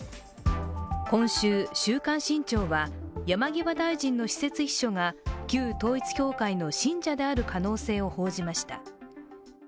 今週、「週刊新潮」は山際大臣の私設秘書か旧統一教会の信者である可能性を報じました。